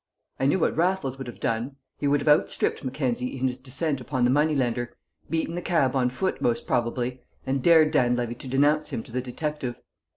I knew what Raffles would have done; he would have outstripped Mackenzie in his descent upon the moneylender, beaten the cab on foot most probably, and dared Dan Levy to denounce him to the detective.